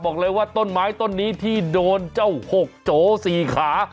บอกเลยว่าต้นไม้ต้นนี้ที่โดนเจ้า๖โจ๔ขา